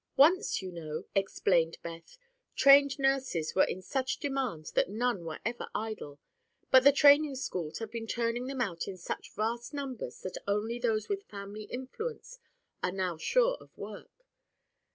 "Once, you know," explained Beth, "trained nurses were in such demand that none were ever idle; but the training schools have been turning them out in such vast numbers that only those with family influence are now sure of work.